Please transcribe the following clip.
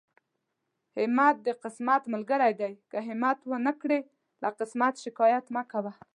همت د قسمت ملګری دی، که همت ونکړې له قسمت شکايت مکوه.